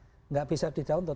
tidak bisa di download